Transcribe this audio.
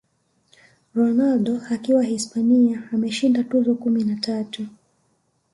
Ronaldo akiwa Hispania ameshinda tuzo kumi na tatu